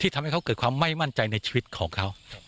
ทำให้เขาเกิดความไม่มั่นใจในชีวิตของเขา